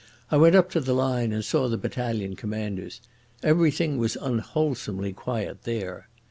I went up to the line and saw the battalion commanders. Everything was unwholesomely quiet there.